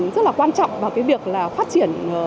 rất là quan trọng vào cái việc là phát triển